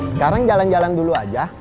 sekarang jalan jalan dulu aja